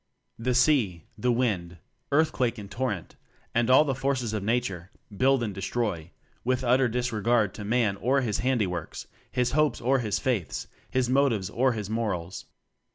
The sea, the wind, earthquake and torrent, and all the forces of Nature build and destroy, with utter disre gard to Man or his handiworks, his hopes or his faiths, his motives or his morals.